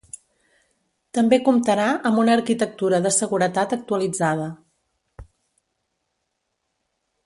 També comptarà amb una arquitectura de seguretat actualitzada.